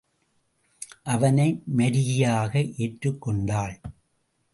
அவனை மருகியாக ஏற்றுக் கொண்டாள்.